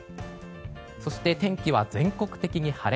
そして天気は全国的に晴れ。